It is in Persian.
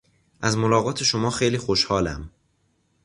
از ملاقات شما خیلی خوشحالم.